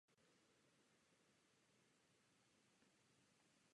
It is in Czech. Byl členem zemské zemědělské rady a spolku Verein für Geschichte der Deutschen in Böhmen.